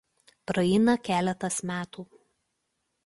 Praeina keletas metų.